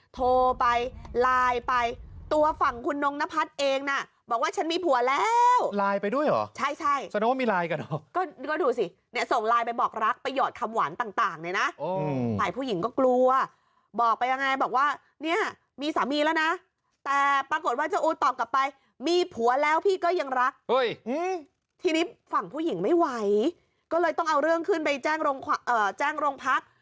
ไม่ไหวก็เลยต้องเอาเรื่องขึ้นไปแจ้งโรงความเอ่อแจ้งโรงพัก